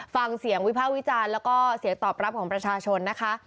วิภาควิจารณ์แล้วก็เสียงตอบรับของประชาชนนะคะ